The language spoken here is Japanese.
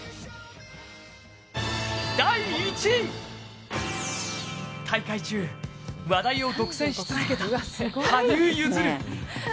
第１位、大会中、話題を独占し続けた羽生結弦。